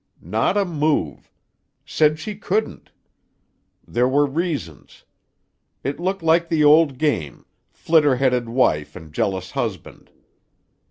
Not a move! Said she couldn't. There were reasons. It looked like the old game—flitter headed wife and jealous husband.